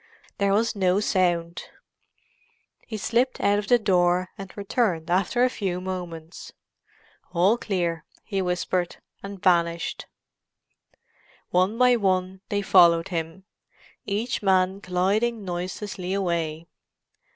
There was no sound. He slipped out of the door, and returned after a few moments. "All clear," he whispered, and vanished. One by one they followed him, each man gliding noiselessly away.